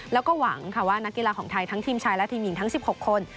แล้วก็หวังค่ะว่านักกีฬาของไทยทั้งทีมชายและทีมหญิงทั้ง๑๖คน